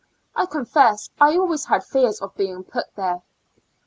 I confess I always had fears of being put there.